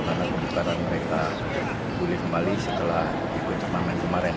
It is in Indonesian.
karena kebukaran mereka mulai kembali setelah ikut pertandingan kemarin